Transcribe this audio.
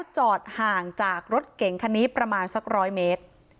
จอดห่างจากรถเก่งคันนี้ประมาณสัก๑๐๐เมตร